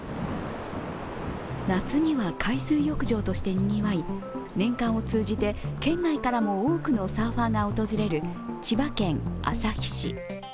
夏には海水浴場としてにぎわい年間を通じて県外からも多くのサーファーが訪れる千葉県旭市。